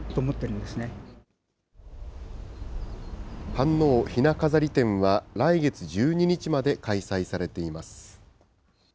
飯能ひな飾り展は、来月１２日まで開催されています。